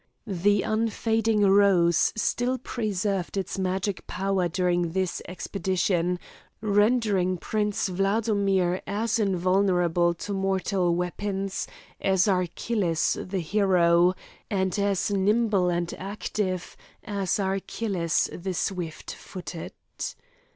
The unfading rose still preserved its magic power during this expedition, rendering Prince Wladomir as invulnerable to mortal weapons, as Achilles the hero, and as nimble and active as Achilles the swift footed.